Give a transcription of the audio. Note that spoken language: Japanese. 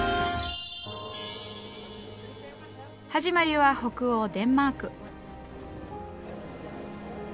始まりは北欧デンマーク。